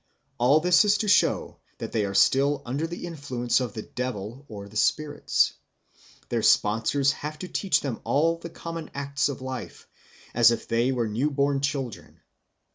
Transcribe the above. All this is to show that they are still under the influence of the devil or the spirits. Their sponsors have to teach them all the common acts of life, as if they were newborn children.